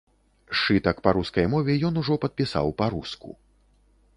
Сшытак па рускай мове ён ужо падпісаў па-руску.